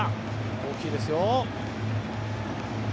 大きいですよ。